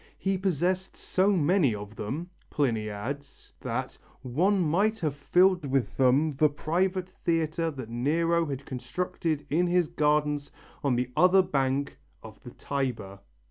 He possessed so many of them, Pliny adds, that "one might have filled with them the private theatre that Nero had constructed in his gardens on the other bank of the Tiber."